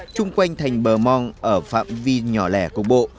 chung quanh thành bờ mong ở phạm vi nhỏ lẻ cục bộ